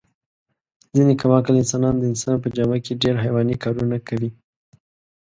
ځنې کم عقل انسانان د انسان په جامه کې ډېر حیواني کارونه کوي.